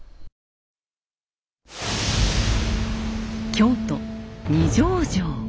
京都・二条城。